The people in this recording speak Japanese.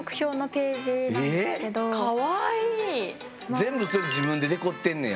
全部それ自分でデコってんねや。